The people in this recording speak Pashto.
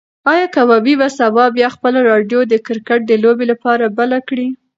ایا کبابي به سبا بیا خپله راډیو د کرکټ د لوبې لپاره بله کړي؟